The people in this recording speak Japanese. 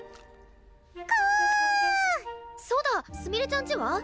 そうだすみれちゃんちは？